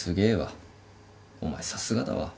お前さすがだわ。